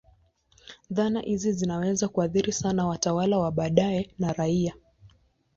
Dhana hizi zinaweza kuathiri sana watawala wa baadaye na raia.